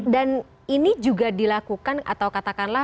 dan ini juga dilakukan atau katakanlah